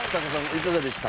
いかがでした？